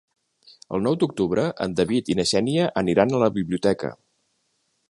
El nou d'octubre en David i na Xènia aniran a la biblioteca.